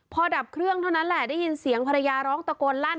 พอดับเครื่องเท่านั้นแหละได้ยินเสียงภรรยาร้องตะโกนลั่น